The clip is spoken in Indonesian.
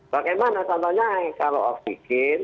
bagaimana contohnya kalau oksigen